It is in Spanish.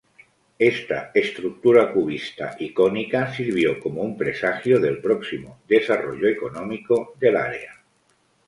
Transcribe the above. Esta estructura cubista icónica sirvió como un presagio del próximo desarrollo económico del área.